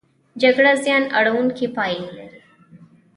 جګړه زیان اړوونکې پایلې لري.